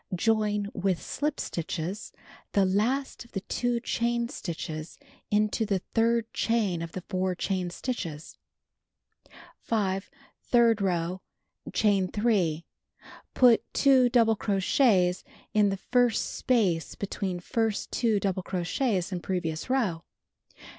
Join (with shp stitches) the last of the 2 chain stitches into the third chain of the 4 chain stitches. 5. Third row: Chain 3. Put 2 double crochets in the first space between first 2 double crochets in previous row.